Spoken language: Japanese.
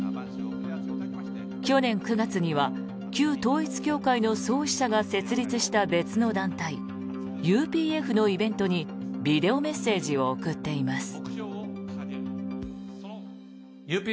去年９月には旧統一教会の創始者が設立した別の団体ＵＰＦのイベントにビデオメッセージを送っています。